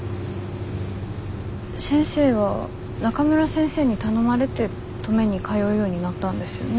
先生は中村先生に頼まれて登米に通うようになったんですよね？